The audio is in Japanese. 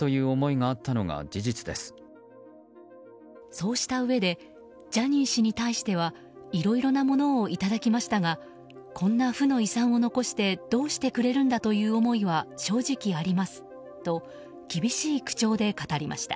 そうしたうえでジャニー氏に対してはいろいろなものをいただきましたがこんな負の遺産を残してどうしてくれるんだという思いは正直ありますと厳しい口調で語りました。